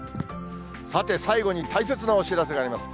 さて、最後に大切なお知らせがあります。